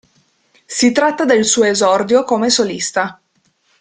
Si tratta del suo esordio come solista.